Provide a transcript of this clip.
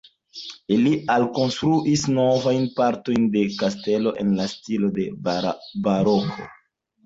Ili alkonstruis novajn partojn de kastelo en la stilo de baroko.